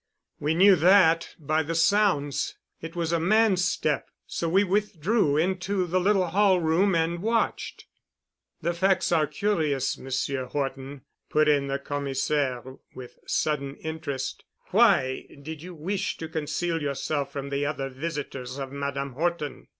We knew that by the sounds. It was a man's step—so we withdrew into the little hall room and watched." "The facts are curious, Monsieur Horton," put in the Commissaire with sudden interest. "Why did you wish to conceal yourself from the other visitors of Madame Horton?"